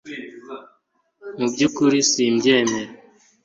Mu byukuri simbyemera